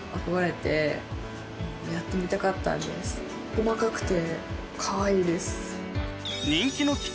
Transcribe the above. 細かくて。